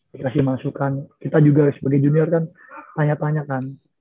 dikasih masukan kita juga sebagai junior kan tanya tanya kan